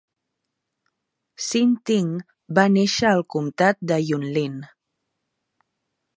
Hsin Ting va néixer al comtat de Yunlin.